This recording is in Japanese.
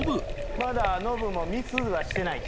まだノブもミスはしてない。